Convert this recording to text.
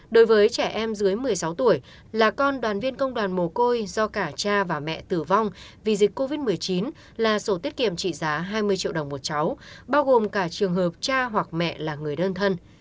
đối với trẻ em dưới một mươi sáu tuổi là con đoàn viên công đoàn mồ côi do cả cha và mẹ tử vong vì dịch covid một mươi chín là sổ tiết kiệm trị giá hai mươi triệu đồng một cháu bao gồm cả trường hợp cha hoặc mẹ là người đơn thân